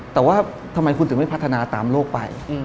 แต่ว่าทำไมคุณถึงไม่พัฒนาตามโลกไป